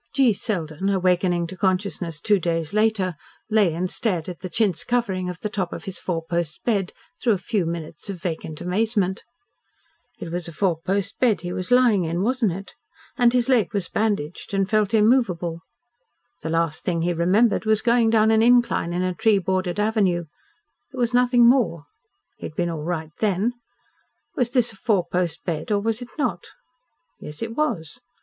G. Selden, awakening to consciousness two days later, lay and stared at the chintz covering of the top of his four post bed through a few minutes of vacant amazement. It was a four post bed he was lying on, wasn't it? And his leg was bandaged and felt unmovable. The last thing he remembered was going down an incline in a tree bordered avenue. There was nothing more. He had been all right then. Was this a four post bed or was it not? Yes, it was.